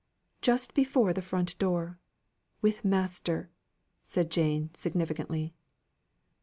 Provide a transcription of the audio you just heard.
"Just before the front door with master!" said Jane, significantly.